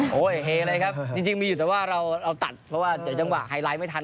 โอ้โหเฮเลยครับจริงมีอยู่แต่ว่าเราตัดเพราะว่าเดี๋ยวจังหวะไฮไลท์ไม่ทัน